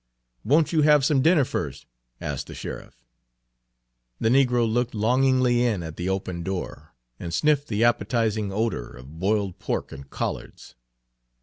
"Won't you have some dinner first?" asked the sheriff. The negro looked longingly in at the open door, and sniffed the appetizing odor of boiled pork and collards.